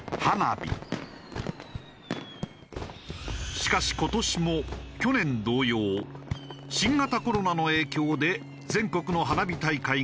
しかし今年も去年同様新型コロナの影響で全国の花火大会が相次いで中止。